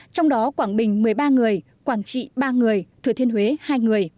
trong đó quảng bình một mươi ba người quảng trị ba người thừa thiên huế hai người